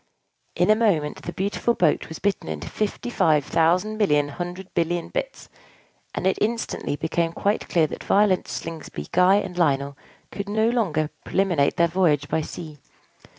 In a moment, the beautiful boat was bitten into fifty five thousand million hundred billion bits; and it instantly became quite clear that Violet, Slingsby, Guy, and Lionel could no longer preliminate their voyage by sea.